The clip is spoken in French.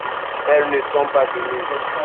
Elles ne sont pas venues.